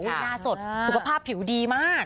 หน้าสดสุขภาพผิวดีมาก